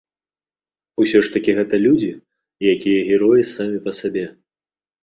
Усё ж такі гэта людзі, якія героі самі па сабе.